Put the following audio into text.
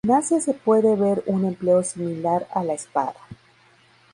En Asia se puede ver un empleo similar a la espada.